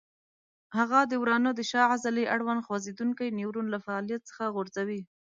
هغه د ورانه د شا عضلې اړوند خوځېدونکی نیورون له فعالیت څخه غورځوي.